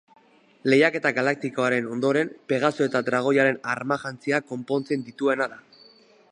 Lehiaketa Galaktikoaren ondoren Pegaso eta Dragoiaren armajantziak konpontzen dituena da.